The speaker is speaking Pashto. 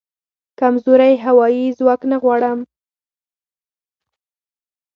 کمزوری هوایې ځواک نه غواړم